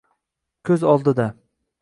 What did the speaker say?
Ko’z oldida